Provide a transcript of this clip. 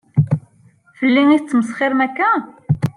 Fell-i i la tettmesxiṛem akka?